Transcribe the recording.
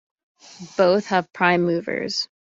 Both have prime movers.